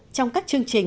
trong các chương trình